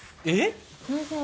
えっ⁉